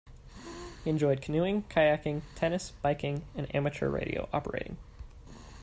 He enjoyed canoeing, kayaking, tennis, biking and amateur radio operating.